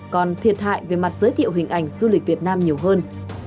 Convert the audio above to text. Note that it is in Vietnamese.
còn thiệt hại về mặt giới thiệu hình ảnh du lịch việt nam nhiều hơn